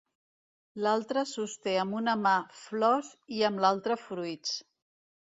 L'altra sosté amb una mà flors i amb l'altra fruits.